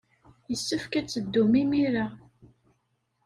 Yessefk ad teddum imir-a.